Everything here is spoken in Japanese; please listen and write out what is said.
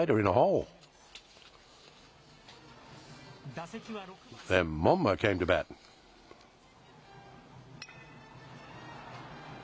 打席は６番門間。